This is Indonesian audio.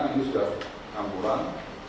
ini sudah campuran